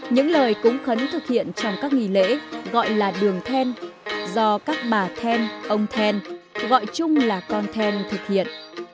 những lời cúng khấn thực hiện trong các nghỉ lễ gọi là đường then do các bà then ông then gọi chung là con then thực hiện